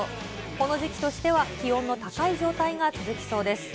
この時期としては気温の高い状態が続きそうです。